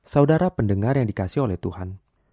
saudara pendengar yang dikasih oleh tuhan